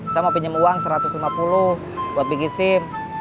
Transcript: saya mau pinjam uang satu ratus lima puluh buat bikin sim